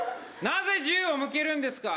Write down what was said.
なぜ銃を向けるんですか。